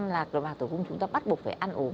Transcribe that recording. lạc để bằng tử cung chúng ta bắt buộc phải ăn ốm